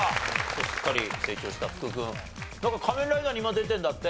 すっかり成長した福君なんか『仮面ライダー』に今出てるんだって？